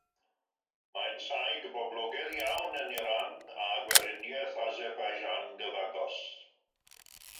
Mae'n saig boblogaidd iawn yn Iran a Gweriniaeth Azerbaijan gyfagos.